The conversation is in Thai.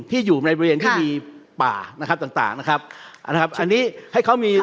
ที่อยู่ในบริเวณที่มีป่านะครับต่างต่างนะครับอันนี้ให้เขามี